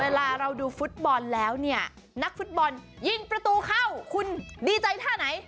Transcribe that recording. เวลาเราดูฟุตบอลแล้วเนี่ยนักฟุตบอลยิงประตูเข้าคุณดีใจท่าไหน